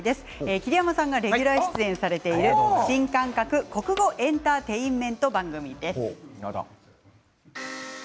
桐山さんがレギュラー出演されている新感覚国語エンターテインメント番組です。